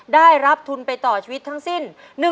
ได้รับทุนไปต่อชีวิตทั้งสิ้น